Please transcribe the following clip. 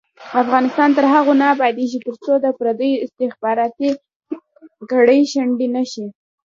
افغانستان تر هغو نه ابادیږي، ترڅو د پردیو استخباراتي کړۍ شنډې نشي.